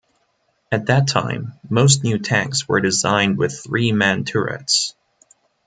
At that time, most new tanks were designed with three-man turrets.